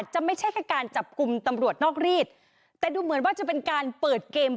จะไม่ใช่แค่การจับกลุ่มตำรวจนอกรีดแต่ดูเหมือนว่าจะเป็นการเปิดเกม